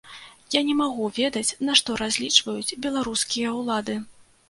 Я не магу ведаць на што разлічваюць беларускія ўлады.